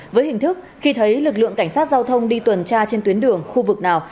với hình thức khi thấy lực lượng cảnh sát giao thông đi tuần tra trên tuyến đường khu vực nào